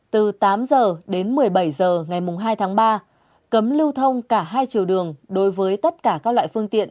từ tám h đến một mươi bảy h ngày hai tháng ba cấm lưu thông cả hai chiều đường đối với tất cả các loại phương tiện